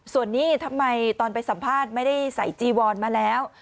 ส่วนนี้ทำไมตอนไปสัมภาษณ์ไม่ได้ใส่จีวอนมาแล้ว